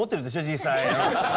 実際。